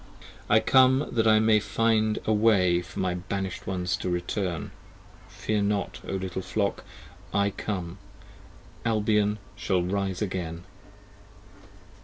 25 I come that I may find a way for my banished ones to return. Fear not, O little Flock, I come: Albion shall rise again.